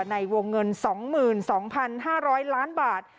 ในวงเงิน๒๒๕๐๐ล้านบาท